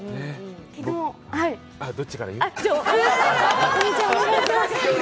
どっちから言う？